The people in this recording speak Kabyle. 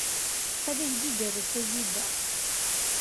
Ad ak-d-igerrez tazziba.